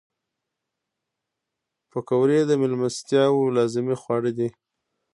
پکورې د میلمستیا یو لازمي خواړه دي